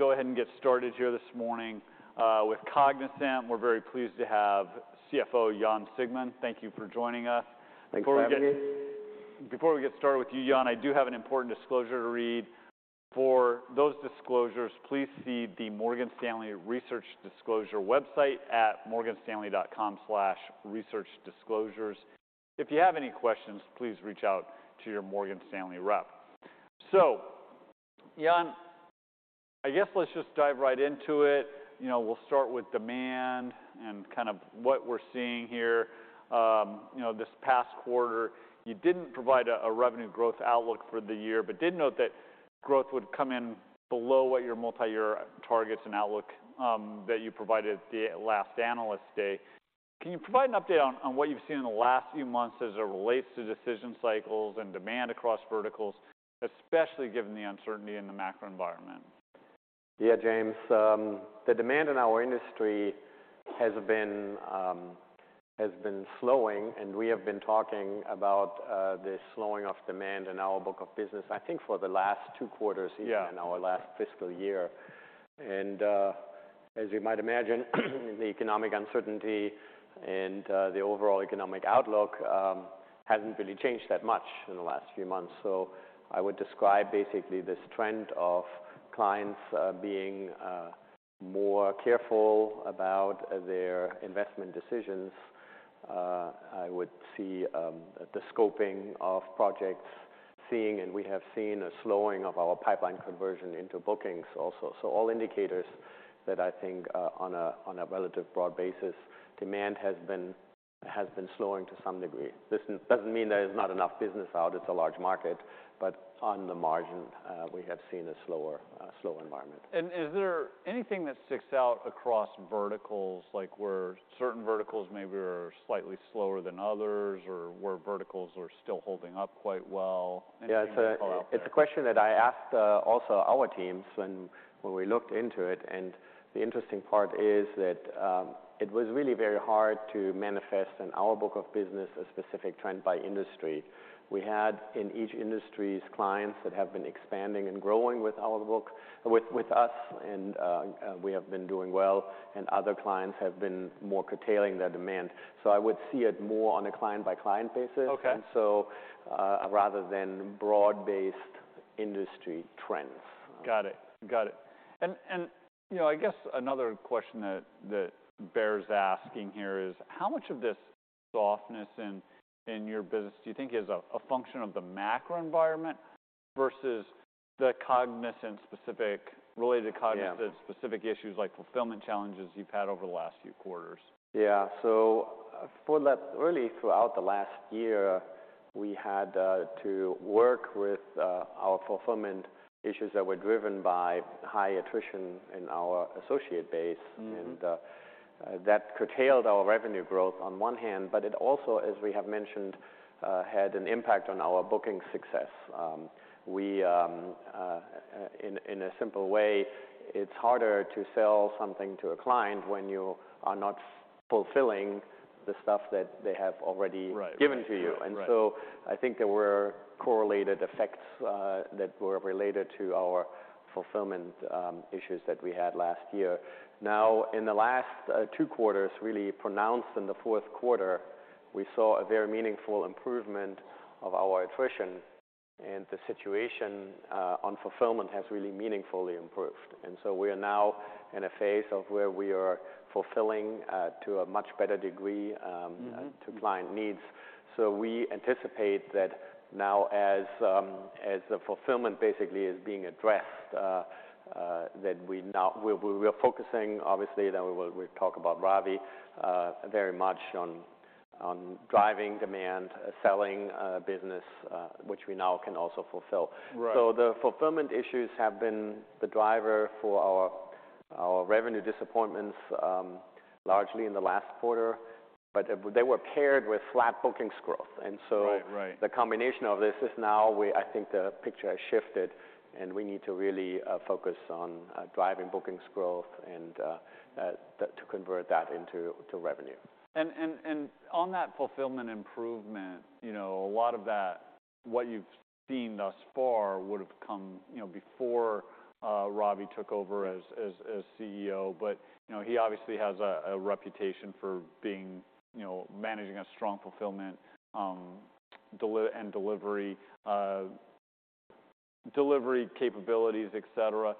Go ahead and get started here this morning, with Cognizant. We're very pleased to have CFO Jan Siegmund. Thank you for joining us. Thanks for having me. Before we get started with you, Jan, I do have an important disclosure to read. For those disclosures, please see the Morgan Stanley Research Disclosure website at morganstanley.com/researchdisclosures. If you have any questions, please reach out to your Morgan Stanley rep. Jan, I guess let's just dive right into it. You know, we'll start with demand and kind of what we're seeing here. You know, this past quarter, you didn't provide a revenue growth outlook for the year, but did note that growth would come in below what your multi-year targets and outlook that you provided at the last Analyst Day. Can you provide an update on what you've seen in the last few months as it relates to decision cycles and demand across verticals, especially given the uncertainty in the macro environment? Yeah, James. The demand in our industry has been slowing, and we have been talking about the slowing of demand in our book of business, I think for the last two quarters. Yeah In our last fiscal year. As you might imagine, the economic uncertainty and, the overall economic outlook, hasn't really changed that much in the last few months. I would describe basically this trend of clients, being, more careful about their investment decisions. I would see, the scoping of projects seeing, and we have seen, a slowing of our pipeline conversion into bookings also. All indicators that I think, on a relative broad basis, demand has been slowing to some degree. This doesn't mean there is not enough business out, it's a large market, but on the margin, we have seen a slower, slow environment. Is there anything that sticks out across verticals, like where certain verticals maybe are slightly slower than others, or where verticals are still holding up quite well? Anything you can call out there? It's a, it's a question that I asked, also our teams when we looked into it. The interesting part is that, it was really very hard to manifest in our book of business, a specific trend by industry. We had, in each industry's clients that have been expanding and growing with our book with us and, we have been doing well, and other clients have been more curtailing their demand. I would see it more on a client-by-client basis. Okay. Rather than broad-based industry trends. Got it. Got it. You know, I guess another question that bears asking here is, how much of this softness in your business do you think is a function of the macro environment versus the Cognizant-specific, related to Cognizant? Yeah Specific issues like fulfillment challenges you've had over the last few quarters? Yeah. For that, really throughout the last year, we had to work with our fulfillment issues that were driven by high attrition in our associate base. Mm-hmm. That curtailed our revenue growth on one hand, but it also, as we have mentioned, had an impact on our booking success. We, in a simple way, it's harder to sell something to a client when you are not fulfilling the stuff that they have already. Right Gven to you. Right. I think there were correlated effects that were related to our fulfillment issues that we had last year. In the last two quarters, really pronounced in the fourth quarter, we saw a very meaningful improvement of our attrition, and the situation on fulfillment has really meaningfully improved. We are now in a phase of where we are fulfilling to a much better degree. Mm-hmm To client needs. We anticipate that now as the fulfillment basically is being addressed, that we are focusing obviously, then we talk about Ravi, very much on driving demand, selling business which we now can also fulfill. Right. The fulfillment issues have been the driver for our revenue disappointments, largely in the last quarter, but they were paired with flat bookings growth. Right. Right The combination of this is now I think the picture has shifted, and we need to really focus on driving bookings growth and to convert that into revenue. On that fulfillment improvement, you know, a lot of that, what you've seen thus far would've come, you know, before Ravi took over as CEO. You know, he obviously has a reputation for being, you know, managing a strong fulfillment and delivery capabilities, et cetera.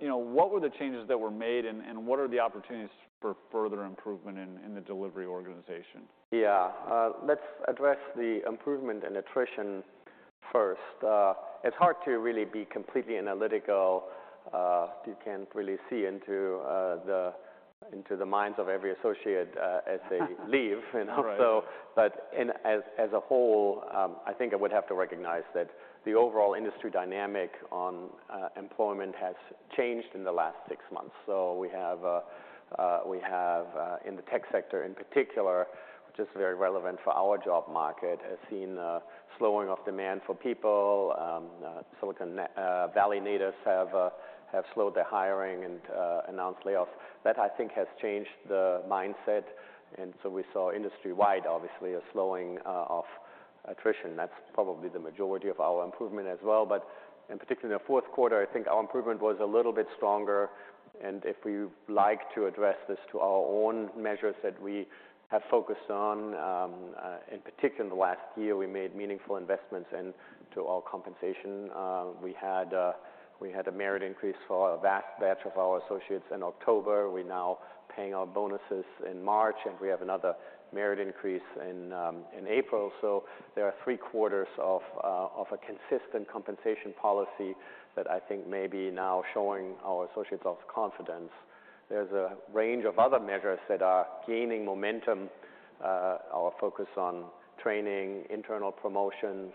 You know, what were the changes that were made and what are the opportunities for further improvement in the delivery organization? Yeah. Let's address the improvement in attrition first. It's hard to really be completely analytical. You can't really see into the minds of every associate, as they leave, you know. Right. As a whole, I think I would have to recognize that the overall industry dynamic on employment has changed in the last six months. We have in the tech sector in particular, which is very relevant for our job market, has seen a slowing of demand for people. Silicon Valley natives have slowed their hiring and announced layoffs. That I think has changed the mindset, we saw industry-wide obviously a slowing of attrition. That's probably the majority of our improvement as well. In particular in the fourth quarter, I think our improvement was a little bit stronger. If we like to address this to our own measures that we have focused on, in particular in the last year, we made meaningful investments into our compensation. We had a merit increase for a vast batch of our associates in October. We're now paying our bonuses in March, and we have another merit increase in April. There are three-quarters of a consistent compensation policy that I think may be now showing our associates of confidence. There's a range of other measures that are gaining momentum, our focus on training, internal promotions,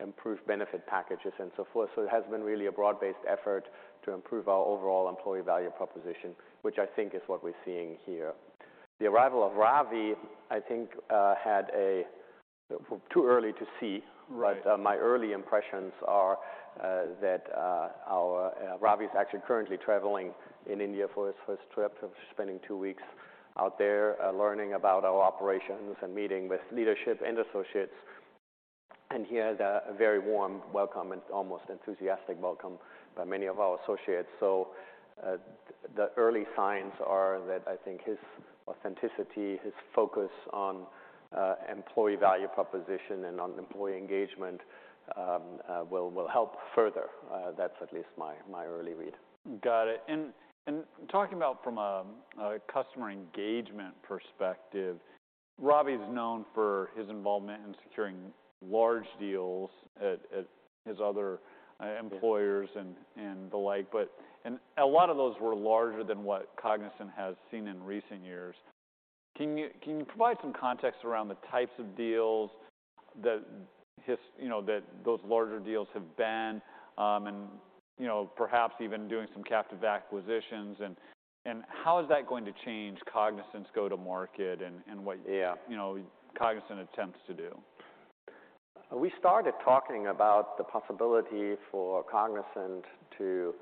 improved benefit packages, and so forth. It has been really a broad-based effort to improve our overall employee value proposition, which I think is what we're seeing here. The arrival of Ravi, I think, Too early to see. Right. My early impressions are that Ravi is actually currently traveling in India for his first trip. He's spending two weeks out there, learning about our operations and meeting with leadership and associates. He had a very warm welcome and almost enthusiastic welcome by many of our associates. The early signs are that I think his authenticity, his focus on employee value proposition and on employee engagement will help further. That's at least my early read. Got it. Talking about from a customer engagement perspective, Ravi's known for his involvement in securing large deals at his other employers and the like. A lot of those were larger than what Cognizant has seen in recent years. Can you provide some context around the types of deals that his, you know, that those larger deals have been, and, you know, perhaps even doing some captive acquisitions and how is that going to change Cognizant's go-to-market and what? Yeah You know, Cognizant attempts to do? We started talking about the possibility for Cognizant to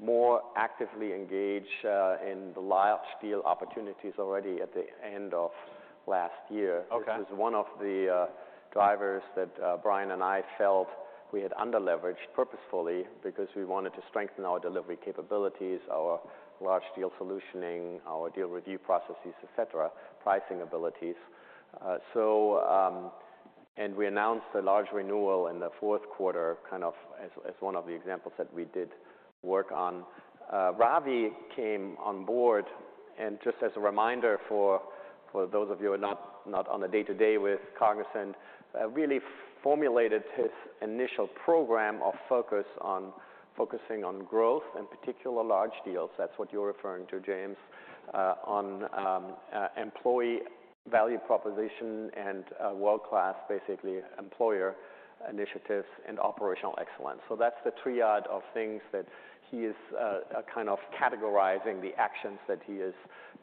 more actively engage in the large deal opportunities already at the end of last year. Okay. This is one of the drivers that Brian and I felt we had under-leveraged purposefully because we wanted to strengthen our delivery capabilities, our large deal solutioning, our deal review processes, et cetera, pricing abilities. We announced a large renewal in the fourth quarter, kind of as one of the examples that we did work on. Ravi came on board, and just as a reminder for those of you who are not on the day-to-day with Cognizant, really formulated his initial program of focus on focusing on growth, in particular large deals. That's what you're referring to, James. On employee value proposition and world-class, basically employer initiatives and operational excellence. That's the triad of things that he is kind of categorizing the actions that he is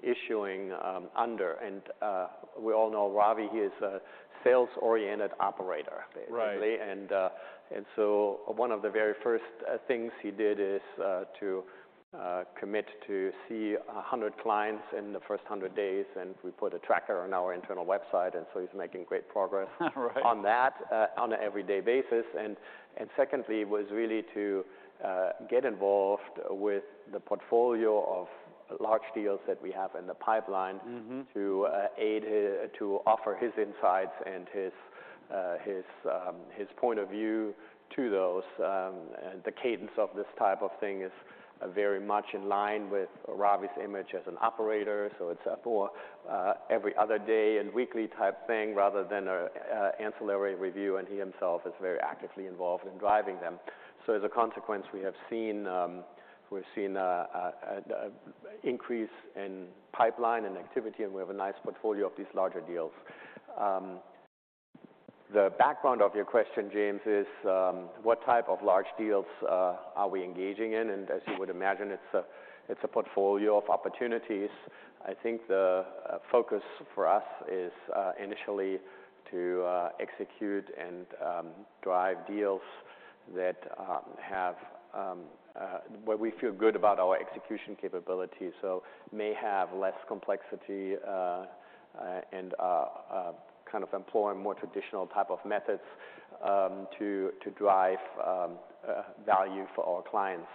issuing under. We all know Ravi, he is a sales-oriented operator, basically. Right. One of the very first things he did is to commit to see 100 clients in the first 100 days, and we put a tracker on our internal website, and so he's making great progress. Right On that, on an everyday basis. Secondly was really to get involved with the portfolio of large deals that we have in the pipeline. Mm-hmm To aid to offer his insights and his his point of view to those. The cadence of this type of thing is very much in line with Ravi's image as an operator. It's for every other day and weekly type thing rather than an ancillary review, and he himself is very actively involved in driving them. As a consequence, we have seen we've seen an increase in pipeline and activity, and we have a nice portfolio of these larger deals. The background of your question, James, is what type of large deals are we engaging in? As you would imagine, it's a, it's a portfolio of opportunities. The focus for us is initially to execute and drive deals that have where we feel good about our execution capability, so may have less complexity, and kind of employ more traditional type of methods, to drive value for our clients.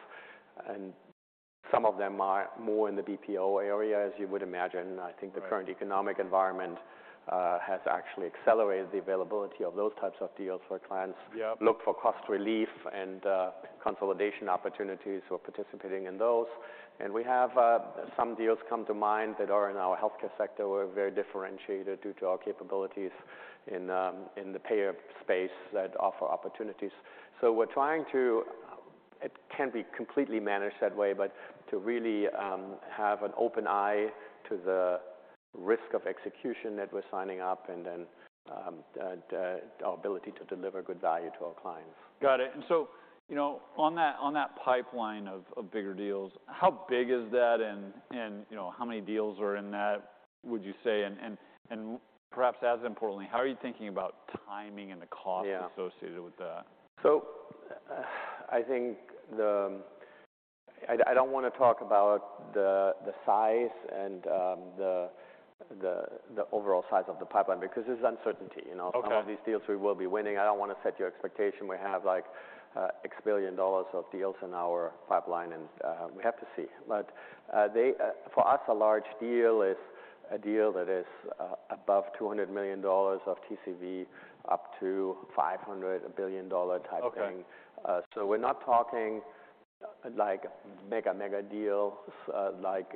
Some of them are more in the BPO area, as you would imagine. Right. I think the current economic environment, has actually accelerated the availability of those types of deals where clients. Yep Look for cost relief and consolidation opportunities. We're participating in those. We have some deals come to mind that are in our healthcare sector. We're very differentiated due to our capabilities in the payer space that offer opportunities. We're trying to. It can be completely managed that way, but to really have an open eye to the risk of execution that we're signing up and then the our ability to deliver good value to our clients. Got it. you know, on that pipeline of bigger deals, how big is that and, you know, how many deals are in that, would you say? Perhaps as importantly, how are you thinking about timing and the cost? Yeah Associated with that? I don't wanna talk about the size and the overall size of the pipeline because there's uncertainty, you know. Okay. Some of these deals we will be winning. I don't wanna set your expectation. We have like $X billion of deals in our pipeline, and we have to see. They for us, a large deal is a deal that is above $200 million of TCV up to $500 million, a billion-dollar type thing. Okay. We're not talking like mega deals, like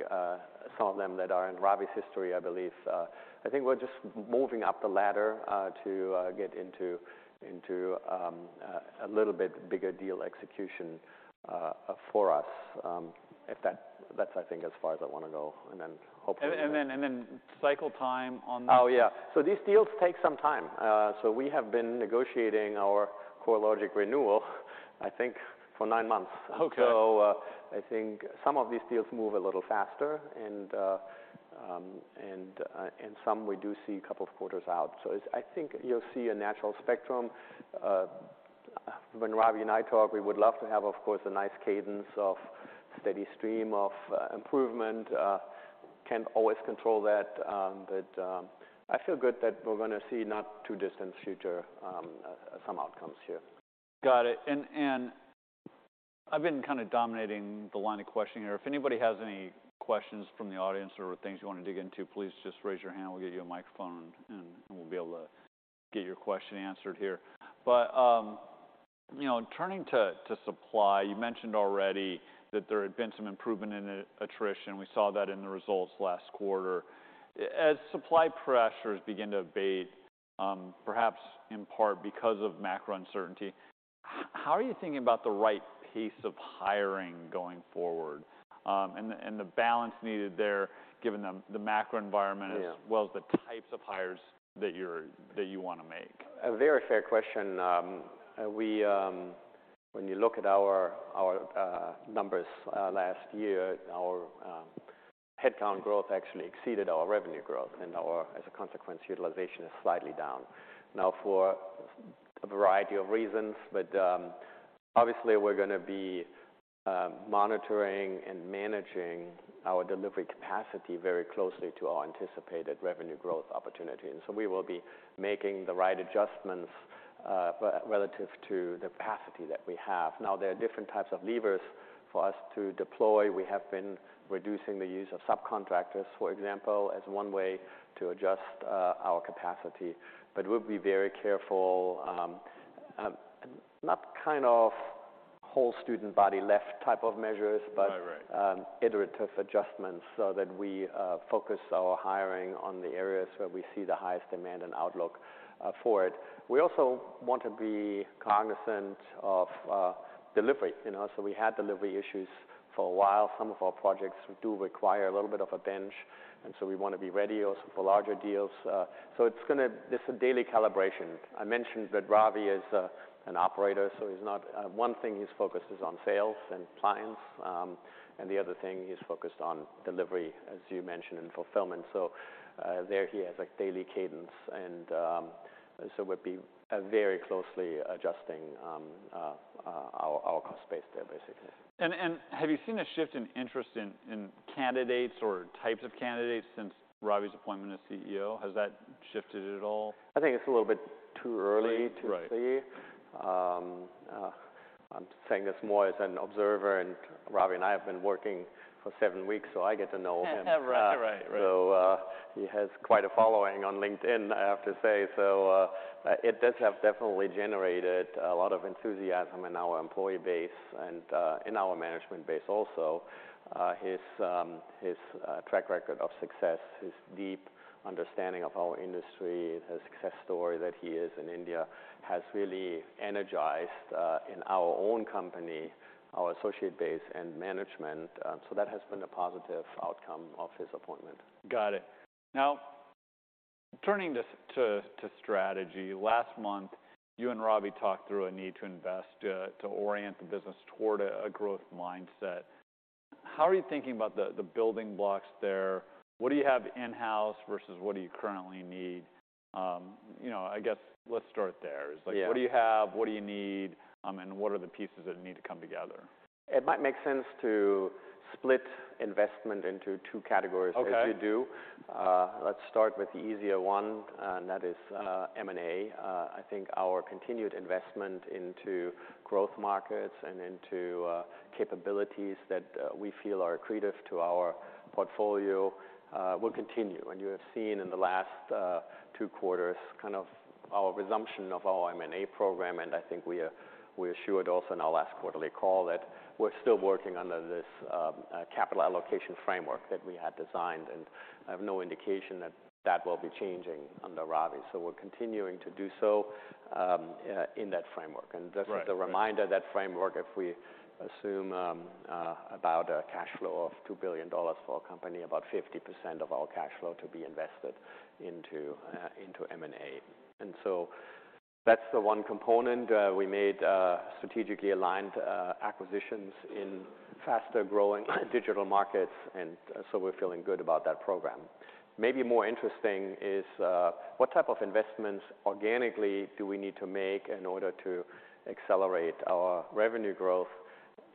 some of them that are in Ravi's history, I believe. I think we're just moving up the ladder to get into a little bit bigger deal execution for us. That's, I think, as far as I wanna go. Cycle time on that. Yeah. These deals take some time. We have been negotiating our CoreLogic renewal, I think, for nine months. Okay. I think some of these deals move a little faster and some we do see two quarters out. It's, I think you'll see a natural spectrum. When Ravi and I talk, we would love to have, of course, a nice cadence of steady stream of improvement. Can't always control that, but I feel good that we're gonna see not too distant future, some outcomes here. Got it. I've been kind of dominating the line of questioning here. If anybody has any questions from the audience or things you wanna dig into, please just raise your hand. We'll give you a microphone, and we'll be able to get your question answered here. You know, turning to supply, you mentioned already that there had been some improvement in attrition. We saw that in the results last quarter. As supply pressures begin to abate, perhaps in part because of macro uncertainty, how are you thinking about the right pace of hiring going forward, and the balance needed there, given the macro environment? Yeah As well as the types of hires that you wanna make? A very fair question. We, when you look at our numbers, last year, our headcount growth actually exceeded our revenue growth and our, as a consequence, utilization is slightly down. For a variety of reasons, but obviously we're gonna be monitoring and managing our delivery capacity very closely to our anticipated revenue growth opportunity. We will be making the right adjustments, relative to the capacity that we have. There are different types of levers for us to deploy. We have been reducing the use of subcontractors, for example, as one way to adjust our capacity, but we'll be very careful, not kind of whole student body left type of measures. Right, right. Iterative adjustments so that we focus our hiring on the areas where we see the highest demand and outlook for it. We also want to be cognizant of delivery. You know, we had delivery issues for a while. Some of our projects do require a little bit of a bench, and so we wanna be ready also for larger deals. This is a daily calibration. I mentioned that Ravi is an operator, so he's not. One thing, his focus is on sales and clients, and the other thing, he's focused on delivery, as you mentioned, and fulfillment. There he has a daily cadence, and so we'll be very closely adjusting our cost base there, basically. Have you seen a shift in interest in candidates or types of candidates since Ravi's appointment as CEO? Has that shifted at all? I think it's a little bit too early. Right To see. I'm saying this more as an observer, and Ravi and I have been working for seven weeks, so I get to know him. Right. Right. Right. He has quite a following on LinkedIn, I have to say. It does have definitely generated a lot of enthusiasm in our employee base and in our management base also. His track record of success, his deep understanding of our industry, the success story that he is in India has really energized in our own company, our associate base and management. That has been a positive outcome of his appointment. Got it. Turning to strategy, last month you and Ravi talked through a need to invest to orient the business toward a growth mindset. How are you thinking about the building blocks there? What do you have in-house versus what do you currently need? You know, I guess let's start there. Yeah. It's like, what do you have, what do you need, and what are the pieces that need to come together? It might make sense to split investment into two categories. Okay If you do. Let's start with the easier one, and that is M&A. I think our continued investment into growth markets and into capabilities that we feel are accretive to our portfolio will continue. You have seen in the last two quarters kind of our resumption of our M&A program. I think we assured also on our last quarterly call that We're still working under this capital allocation framework that we had designed, and I have no indication that that will be changing under Ravi. We're continuing to do so in that framework. Right. Just as a reminder, that framework, if we assume about a cash flow of $2 billion for our company, about 50% of all cash flow to be invested into M&A. That's the one component. We made strategically aligned acquisitions in faster-growing digital markets, we're feeling good about that program. Maybe more interesting is what type of investments organically do we need to make in order to accelerate our revenue growth?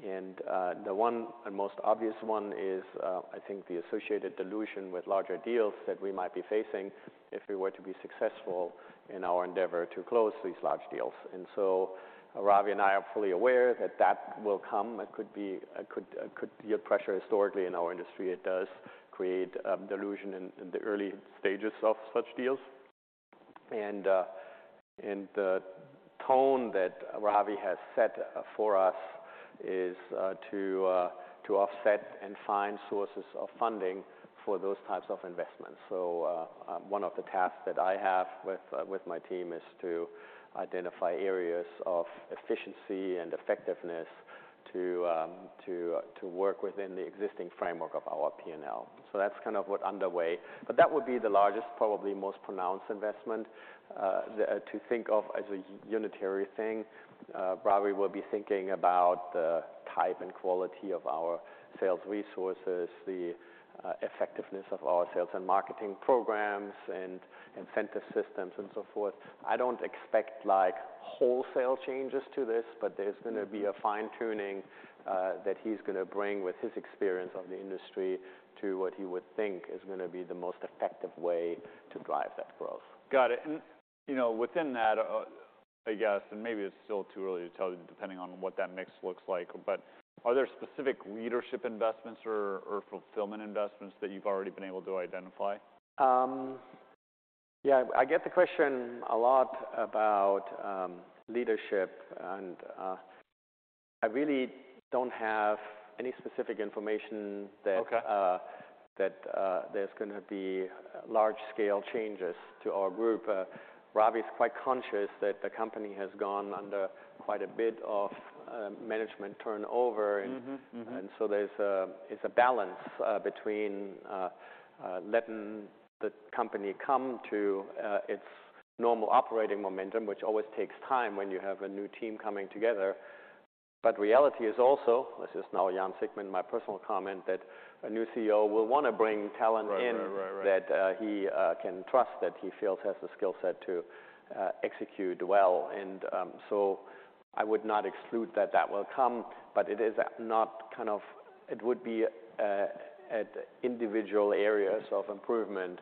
The one and most obvious one is I think the associated dilution with larger deals that we might be facing if we were to be successful in our endeavor to close these large deals. Ravi and I are fully aware that that will come. It could be a pressure. Historically in our industry, it does create dilution in the early stages of such deals. The tone that Ravi has set for us is to offset and find sources of funding for those types of investments. One of the tasks that I have with my team is to identify areas of efficiency and effectiveness to to work within the existing framework of our P&L. That's kind of what underway. That would be the largest, probably most pronounced investment to think of as a unitary thing. Ravi will be thinking about the type and quality of our sales resources, the effectiveness of our sales and marketing programs, and incentive systems, and so forth. I don't expect like wholesale changes to this, but there's- Mm-hmm. Gonna be a fine-tuning, that he's gonna bring with his experience of the industry to what he would think is gonna be the most effective way to drive that growth. Got it. You know, within that, I guess, and maybe it's still too early to tell depending on what that mix looks like, but are there specific leadership investments or fulfillment investments that you've already been able to identify? Yeah. I get the question a lot about leadership, and I really don't have any specific information. Okay. That, there's gonna be large scale changes to our group. Ravi is quite conscious that the company has gone under quite a bit of, management turnover. Mm-hmm. Mm-hmm. It's a balance between letting the company come to its normal operating momentum, which always takes time when you have a new team coming together. Reality is also, this is now Jan Siegmund, my personal comment, that a new CEO will wanna bring talent in. Right. Right. Right. Right. That he can trust, that he feels has the skill set to execute well. I would not exclude that that will come, but it is not kind of... It would be at individual areas of improvement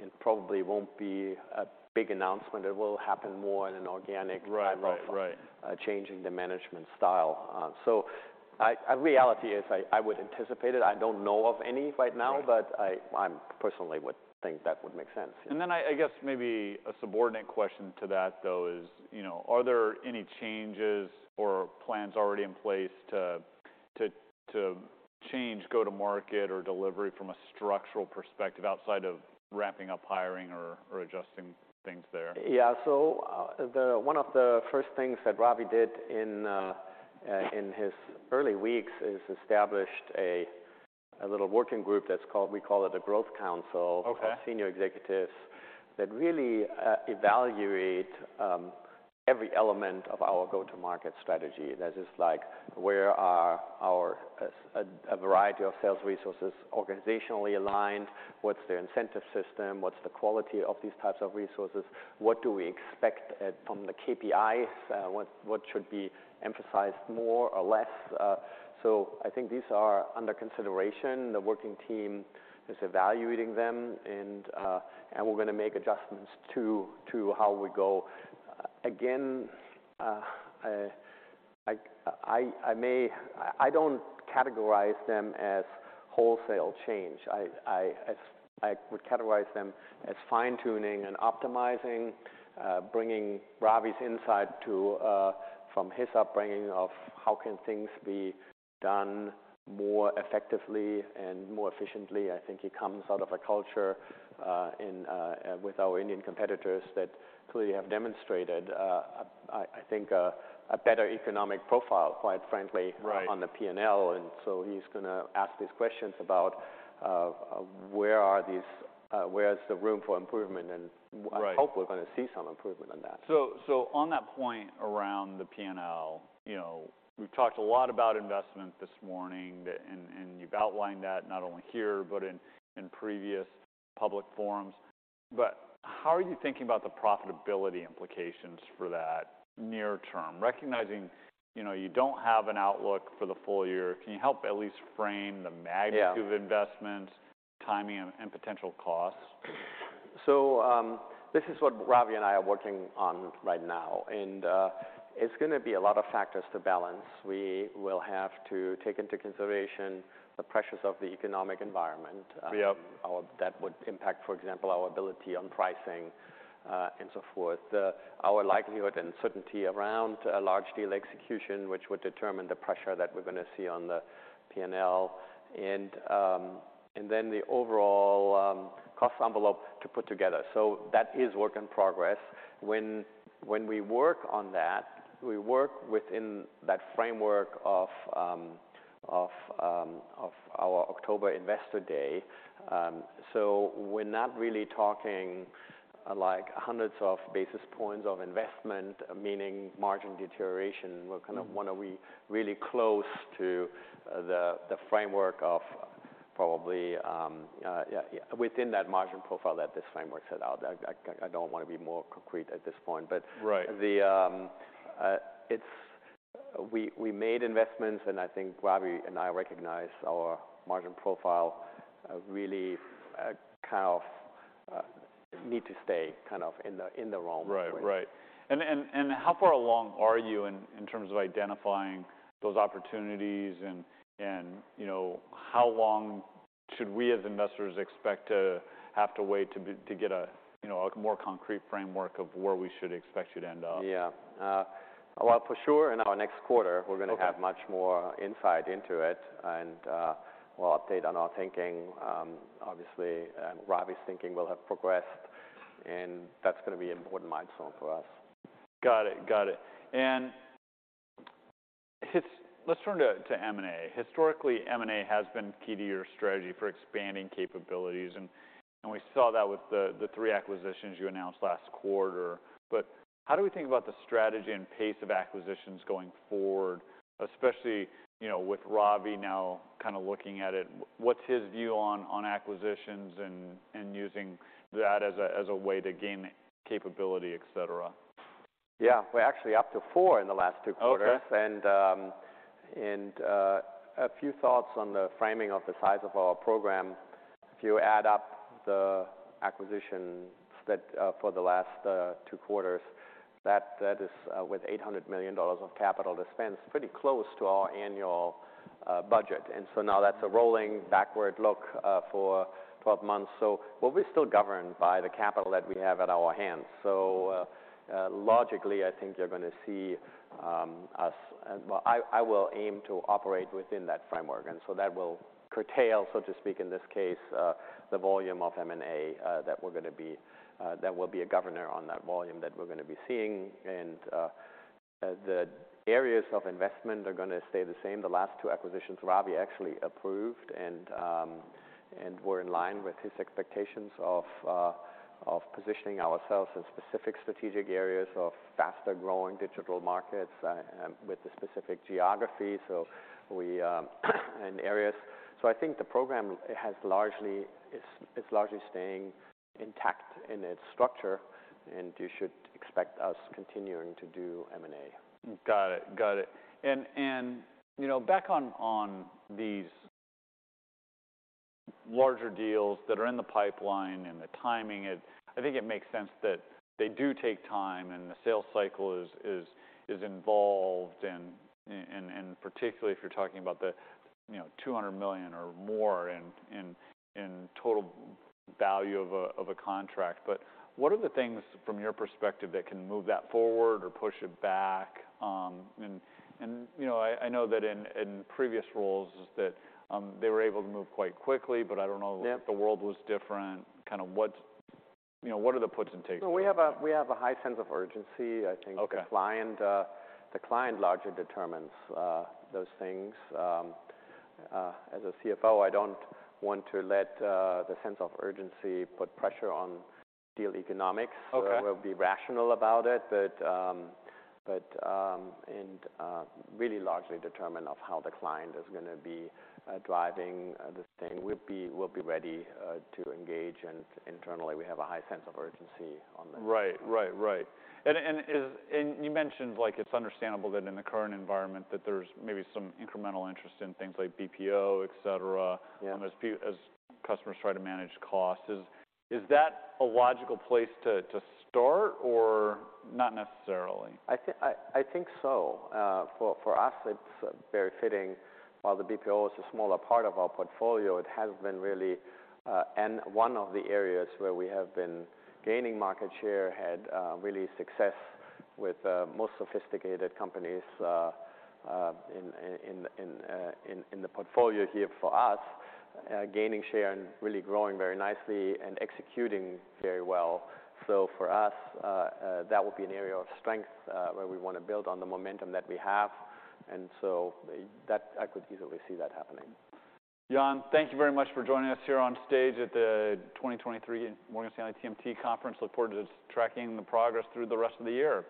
and probably won't be a big announcement. It will happen more in an organic kind of... Right. Right. Changing the management style. I would anticipate it. I don't know of any right now. Right. I personally would think that would make sense. I guess maybe a subordinate question to that though is, you know, are there any changes or plans already in place to change go-to-market or delivery from a structural perspective outside of wrapping up hiring or adjusting things there? Yeah. One of the first things that Ravi did in his early weeks is established a little working group that's called, we call it a growth council. Okay. Of senior executives that really evaluate every element of our go-to-market strategy. That is like where are our a variety of sales resources organizationally aligned? What's their incentive system? What's the quality of these types of resources? What do we expect from the KPIs? What, what should be emphasized more or less? I think these are under consideration. The working team is evaluating them and we're gonna make adjustments to how we go. Again, I don't categorize them as wholesale change. I would categorize them as fine-tuning and optimizing, bringing Ravi's insight from his upbringing of how can things be done more effectively and more efficiently. I think he comes out of a culture, and, with our Indian competitors that clearly have demonstrated, I think a better economic profile, quite frankly. Right. On the P&L. He's gonna ask these questions about, where are these, where's the room for improvement? Right. I hope we're gonna see some improvement on that. On that point around the P&L, you know, we've talked a lot about investment this morning and you've outlined that not only here but in previous public forums. How are you thinking about the profitability implications for that near term? Recognizing, you know, you don't have an outlook for the full year. Can you help at least frame the magnitude. Yeah. Of investments, timing, and potential costs? This is what Ravi and I are working on right now, and it's gonna be a lot of factors to balance. We will have to take into consideration the pressures of the economic environment. Yep How that would impact, for example, our ability on pricing, and so forth. Our likelihood and certainty around a large deal execution, which would determine the pressure that we're gonna see on the P&L, and then the overall cost envelope to put together. So that is work in progress. When we work on that, we work within that framework of our October investor day. So we're not really talking, like, hundreds of basis points of investment, meaning margin deterioration. We're kind of- Mm-hmm Wanna be really close to the framework of probably, yeah, within that margin profile that this framework set out. I don't wanna be more concrete at this point, but. Right We made investments, and I think Ravi and I recognize our margin profile, really, kind of, need to stay kind of in the realm. Right. Right. How far along are you in terms of identifying those opportunities and, you know, how long should we as investors expect to have to wait to get a, you know, a more concrete framework of where we should expect you to end up? Yeah. well, for sure in our next quarter. Okay We're gonna have much more insight into it, and we'll update on our thinking. Obviously, Ravi's thinking will have progressed, and that's gonna be an important milestone for us. Got it. Got it. Let's turn to M&A. Historically, M&A has been key to your strategy for expanding capabilities, and we saw that with the three acquisitions you announced last quarter. How do we think about the strategy and pace of acquisitions going forward, especially, you know, with Ravi now kind of looking at it, what's his view on acquisitions and using that as a way to gain capability, et cetera? Yeah. We're actually up to four in the last two quarters. Okay. A few thoughts on the framing of the size of our program. If you add up the acquisitions that for the last two quarters, that is with $800 million of capital to spend, it's pretty close to our annual budget. Now that's a rolling backward look for 12 months. We'll be still governed by the capital that we have at our hands. Logically, I think you're gonna see Well, I will aim to operate within that framework, that will curtail, so to speak, in this case, the volume of M&A that there will be a governor on that volume that we're gonna be seeing. The areas of investment are gonna stay the same. The last two acquisitions, Ravi actually approved and were in line with his expectations of positioning ourselves in specific strategic areas of faster-growing digital markets, with the specific geography. I think the program has largely staying intact in its structure, and you should expect us continuing to do M&A. Got it. Got it. You know, back on these larger deals that are in the pipeline and the timing, I think it makes sense that they do take time, and the sales cycle is involved and particularly if you're talking about the, you know, $200 million or more in total value of a contract. What are the things from your perspective that can move that forward or push it back? You know, I know that in previous roles is that, they were able to move quite quickly, but I don't know. Yeah If the world was different, kind of you know, what are the puts and takes? Well, we have a high sense of urgency. Okay The client largely determines, those things. As a CFO, I don't want to let the sense of urgency put pressure on deal economics. Okay. I will be rational about it, but, and, really largely determine of how the client is gonna be driving this thing. We'll be ready to engage, and internally we have a high sense of urgency on this. Right. Right. Right. You mentioned, like, it's understandable that in the current environment that there's maybe some incremental interest in things like BPO, et cetera... Yeah As customers try to manage costs. Is that a logical place to start or not necessarily? I think, I think so. For us, it's very fitting. While the BPO is a smaller part of our portfolio, it has been really, and one of the areas where we have been gaining market share, had really success with more sophisticated companies in the portfolio here for us. Gaining share and really growing very nicely and executing very well. For us, that would be an area of strength where we wanna build on the momentum that we have. That, I could easily see that happening. Jan, thank you very much for joining us here on stage at the 2023 Morgan Stanley TMT Conference. Look forward to tracking the progress through the rest of the year.